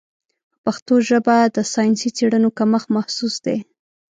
په پښتو ژبه د ساینسي څېړنو کمښت محسوس دی.